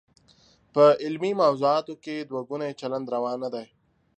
په علمي موضوعاتو کې دوه ګونی چلند روا نه دی.